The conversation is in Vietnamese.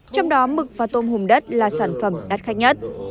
trong đó mực và tôm hùm đất là sản phẩm đắt khách nhất